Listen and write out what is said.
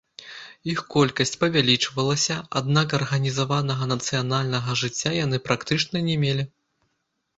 Іх колькасць павялічылася, аднак арганізаванага нацыянальнага жыцця яны практычна не мелі.